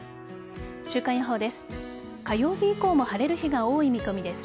週間予報です。